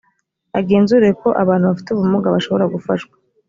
agenzure ko abantu bafite ubumuga bashobora gufashwa